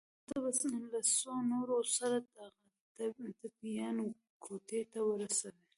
نو ته به له څو نورو سره دغه ټپيان کوټې ته ورسوې.